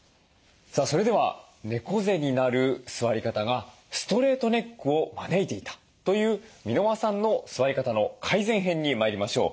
さあそれでは猫背になる座り方がストレートネックを招いていたという箕輪さんの座り方の改善編に参りましょう。